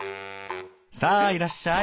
さあいらっしゃい。